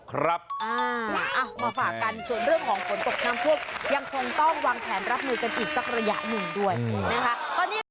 ครับมาฝากกันส่วนเรื่องของฝนตกน้ำท่วมยังคงต้องวางแผนรับมือกันอีกสักระยะหนึ่งด้วยนะคะ